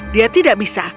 dia tidak bisa